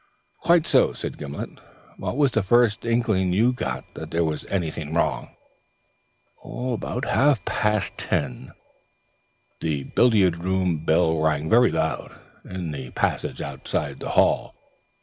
"Quite so," said Gimblet. "What was the first intimation you got that there was anything wrong?" "About half past ten the billiard room bell rang very loud, in the passage outside the hall.